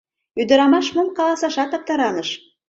Ӱдырамаш мом каласашат аптыраныш.